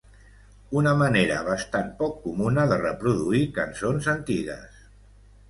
Una manera bastant poc comuna de reproduir cançons antigues!